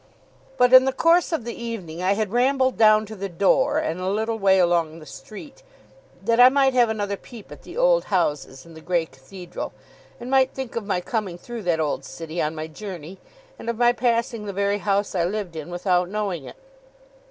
But in the course of the evening I had rambled down to the door, and a little way along the street, that I might have another peep at the old houses, and the grey Cathedral; and might think of my coming through that old city on my journey, and of my passing the very house I lived in, without knowing it.